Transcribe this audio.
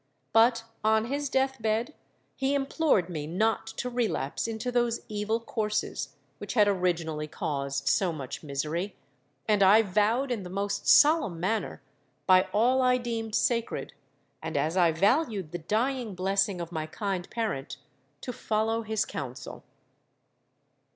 But on his death bed he implored me not to relapse into those evil courses which had originally caused so much misery; and I vowed in the most solemn manner—by all I deemed sacred, and as I valued the dying blessing of my kind parent—to follow his counsel.